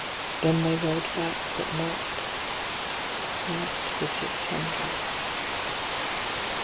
Then they rode back, but notNot the six hundred.